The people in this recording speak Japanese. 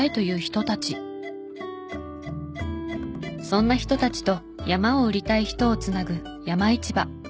そんな人たちと山を売りたい人を繋ぐ山いちば。